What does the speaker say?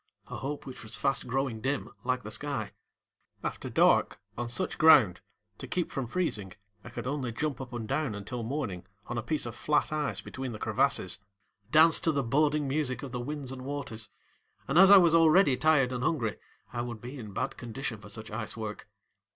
a hope which was fast growing dim like the sky. After dark, on such ground, to keep from freezing, I could only jump up and down until morning on a piece of flat ice between the crevasses, dance to the boding music of the winds and waters, and as I was already tired and hungry I would be in bad condition for such ice work.